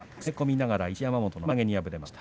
初日は攻め込みながら一山本のはりま投げに敗れました。